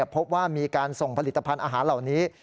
พบว่ามีการส่งผลิตภัณฑ์อาหารเหล่านี้